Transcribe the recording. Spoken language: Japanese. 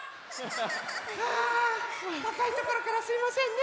あたかいところからすいませんね。